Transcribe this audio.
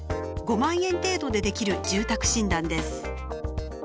５万円程度でできる住宅診断です。